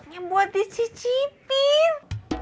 yang buat dicicipin